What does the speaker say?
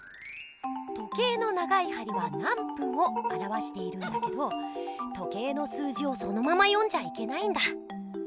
時計の長いはりは「なんぷん」をあらわしているんだけど時計の数字をそのままよんじゃいけないんだ。